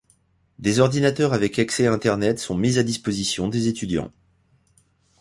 Des ordinateurs avec accès à internet sont mis à disposition des étudiants.